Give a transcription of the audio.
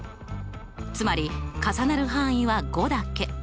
つまり重なる範囲は５だけ。